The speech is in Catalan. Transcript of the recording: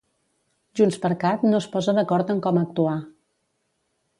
JxCat no es posa d'acord en com actuar.